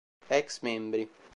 Ex membri